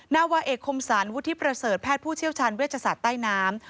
นาวาเอกคมสรรวุฒิประเสริฐแพทย์ผู้เชี่ยวชาญเวชศาสตร์ใต้น้ำ